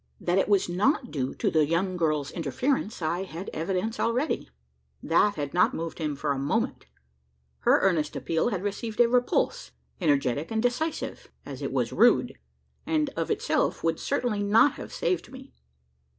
That it was not due to the young girl's interference, I had evidence already. That had not moved him for a moment. Her earnest appeal had received a repulse energetic and decisive, as it was rude; and of itself would certainly not have, saved me.